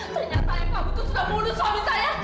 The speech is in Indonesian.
ternyata ayah kamu sudah membunuh suami saya